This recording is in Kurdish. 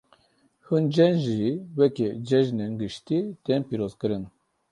Hin cejn jî weke cejinên giştî tên pîrozkirin.